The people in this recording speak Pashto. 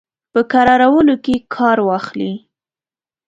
په کرارولو کې کار واخلي.